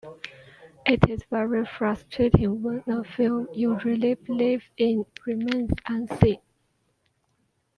It is very frustrating when a film you really believe in remains unseen.